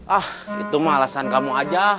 ah itu mah alasan kamu aja